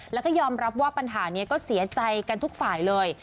แล้วก็ยอมรับว่าปัญหานี้ก็เสียใจกันทุกฝ่ายเลย